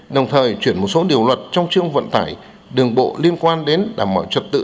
đồng thời chuyển một số điều luật trong chương vận tải đường bộ liên quan đến đảm bảo trật tự